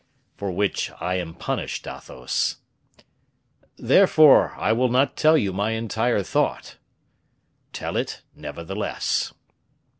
"For which I am punished, Athos." "Therefore, I will not tell you my entire thought." "Tell it, nevertheless."